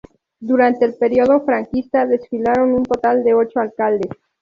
Durante el período franquista desfilaron un total de ocho alcaldes.